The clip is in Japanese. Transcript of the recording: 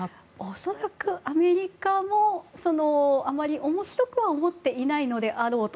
恐らく、アメリカもあまり面白くは思っていないのであろうと。